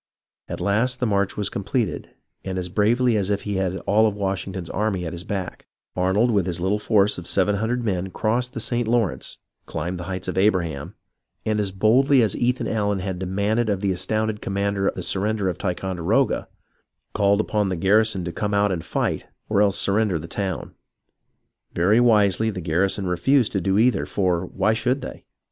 At last the march was completed, and as bravely as if he had all of Washington's army at his back, Arnold with his little force of seven hundred men crossed the St. Law rence, climbed the Heights of Abraham, and as boldly as Ethan Allen had demanded of the astounded commander the surrender of Ticonderoga, called upon the garrison to come out and fight or else surrender the town. Very wisely the garrison refused to do either, for why should they